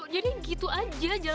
jadi gitu aja jangan